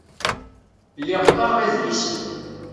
Lliɣ qqareɣ idlisen.